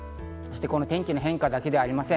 天気の変化だけではありません。